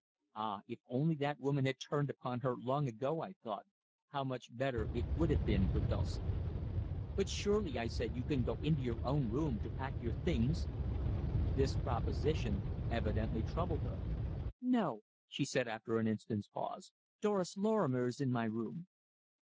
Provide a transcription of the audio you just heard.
Ah, if only the woman had "turned upon" her long before, I thought, how much better it would have been for Dulcie. "But surely," I said, "you can go into your own room to pack your things." This proposition evidently troubled her. "No," she said after an instant's pause. "Doris Lorrimer is in my room."